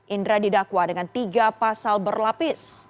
indra didakwa dengan tiga pasal berlapis